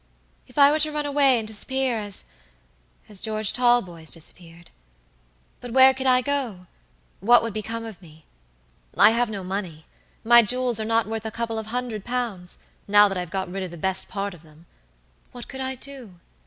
If I were to run away and disappear asas George Talboys disappeared. But where could I go? what would become of me? I have no money; my jewels are not worth a couple of hundred pounds, now that I have got rid of the best part of them. What could I do?